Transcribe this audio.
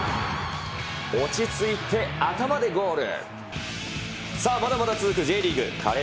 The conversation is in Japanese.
落ち着いて頭でゴール。